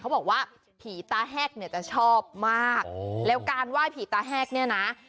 บอกว่าผีตาแหกเนี่ยจะชอบมากแล้วการไหว้ผีตาแหกเนี่ยนะ